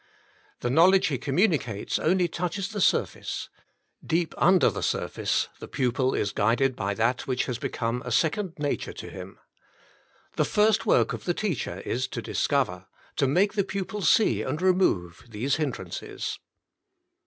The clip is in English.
The knowledge he com municates only touches the surface: deep under the surface the pupil is guided by that which has become a second nature to him. The first work of the teacher is to discover, to make the pupil see and remove, these hindrances.